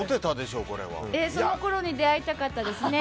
そのころに出会いたかったですね。